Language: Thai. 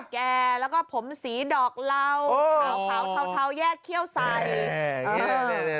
แก่แล้วก็ผมสีดอกเหล่าขาวเทาแยกเขี้ยวใส่